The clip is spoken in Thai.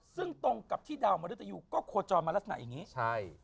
ซึ่งตรงกับที่ดาวมริตยูก็โคจรมาลักษณะอย่างนี้ใช่